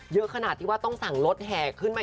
เยอะขนาดที่ว่าต้องสั่งรถแห่ขึ้นมา